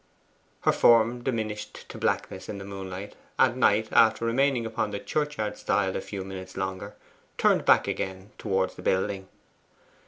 Her form diminished to blackness in the moonlight, and Knight, after remaining upon the churchyard stile a few minutes longer, turned back again towards the building.